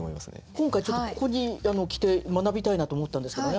今回ここに来て学びたいなと思ったんですけどね